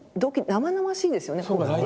生々しいですね。